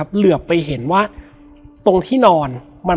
แล้วสักครั้งหนึ่งเขารู้สึกอึดอัดที่หน้าอก